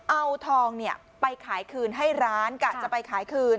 เอาทองไปขายคืนให้ร้านกะจะไปขายคืน